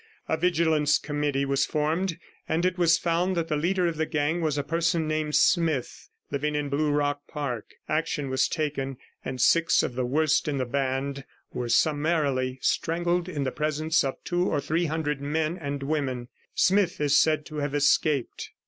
A Vigilance Committee was formed, and it was found that the leader of the gang was a person named Smith, living in Blue Rock Park. Action was taken, and six of the worst in the band were summarily strangled in the presence of two or three hundred men and women. Smith is said to have escaped.'